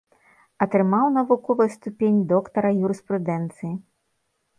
Атрымаў навуковую ступень доктара юрыспрудэнцыі.